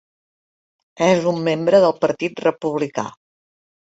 És un membre del Partit Republicà.